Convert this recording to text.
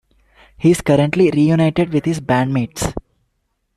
He is currently reunited with his band-mates.